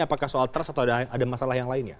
apakah soal trust atau ada masalah yang lain ya